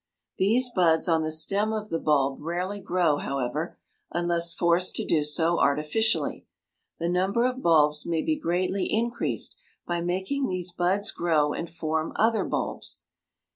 These buds on the stem of the bulb rarely grow, however, unless forced to do so artificially. The number of bulbs may be greatly increased by making these buds grow and form other bulbs.